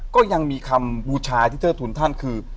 ก็ยังมีคำบูชาที่เทิดทุนท่านคือ